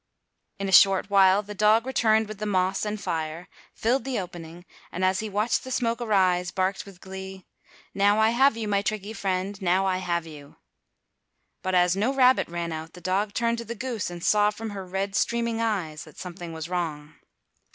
In a short while the dog returned with the moss and fire, filled the opening, and, as he watched the smoke arise, barked with glee, "Now I have you, my tricky friend, now I have you." But as no rabbit ran out the dog turned to the goose and saw from her red, streaming eyes that something was wrong.